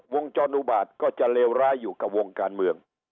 จนอุบาทก็จะเลวร้ายอยู่กับวงการเมือง